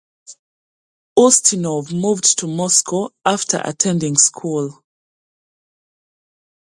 Ustinov moved to Moscow after attending school.